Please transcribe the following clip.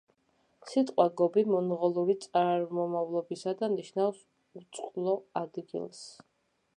სიტყვა „გობი“ მონღოლური წარმომავლობისაა და ნიშნავს „უწყლო ადგილს“.